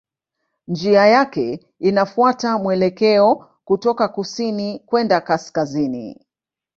Njia yake inafuata mwelekeo kutoka kusini kwenda kaskazini.